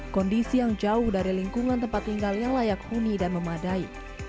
kondisi yang jauh dari lingkungan tempat tinggal yang layak huni dan memadai